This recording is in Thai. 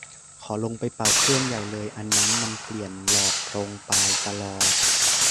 ขอลงไปเป่าเครื่องใหญ่เลย อันนั้นมันเปลี่ยนหลอดตรงปลายตลอด